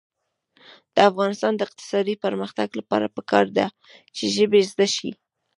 د افغانستان د اقتصادي پرمختګ لپاره پکار ده چې ژبې زده شي.